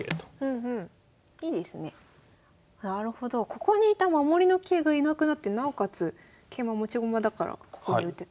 ここにいた守りの桂がいなくなってなおかつ桂馬持ち駒だからここに打てたと。